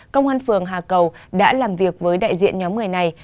công an phường hà cầu đã làm việc với đại diện nhóm người này